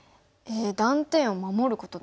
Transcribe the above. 断点を守ることですか？